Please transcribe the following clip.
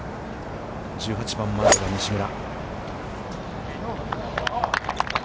１８番、まずは西村。